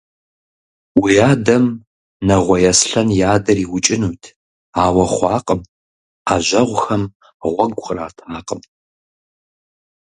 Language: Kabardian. Уи адэм Нэгъуей Аслъэн и адэр иукӀынут, ауэ хъуакъым, Ӏэжьэгъухэм гъуэгу къратакъым.